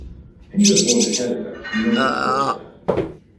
Henry was born in Halifax, Nova Scotia.